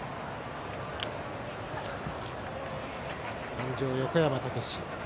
鞍上、横山武史。